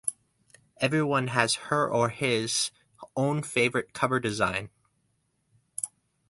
Everyone has her or his own favorite cover design.